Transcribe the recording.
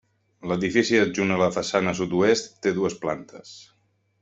L'edifici adjunt a la façana sud-oest, té dues plantes.